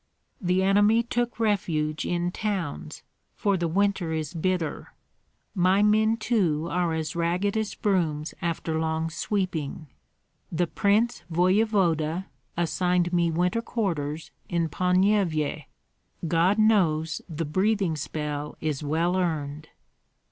The enemy took refuge in towns, for the winter is bitter. My men too are as ragged as brooms after long sweeping. The prince voevoda assigned me winter quarters in Ponyevyej. God knows the breathing spell is well earned!"